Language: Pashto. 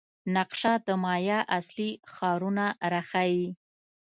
نقشه د مایا اصلي ښارونه راښيي.